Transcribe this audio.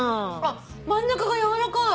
真ん中がやわらかい。